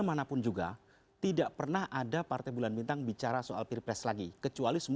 menanggapi pernyataan rizik syihab